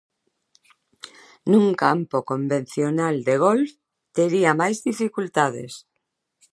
Nun campo convencional de golf tería máis dificultades.